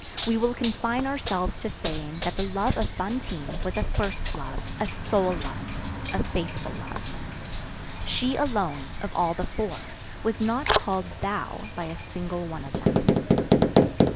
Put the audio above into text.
We will confine ourselves to saying that the love of Fantine was a first love, a sole love, a faithful love. She alone, of all the four, was not called "thou" by a single one of them.